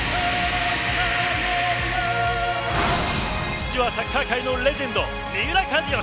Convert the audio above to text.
父はサッカー界のレジェンド三浦知良。